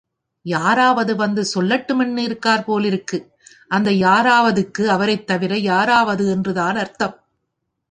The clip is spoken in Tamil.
யாராவது வந்து சொல்லட்டும்னு இருக்கார் போலிருக்கு... அந்த யாராவது க்கு அவரைத் தவிர யாராவது என்றுதான் அர்த்தம்!